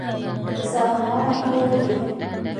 Бысағымамы һиңә нигеҙ?